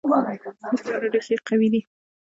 د جوارو ریښې قوي دي.